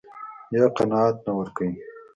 يا قناعت نه ورکوي.